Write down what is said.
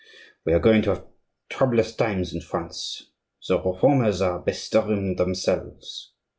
"We are going to have troublous times in France. The Reformers are bestirring themselves."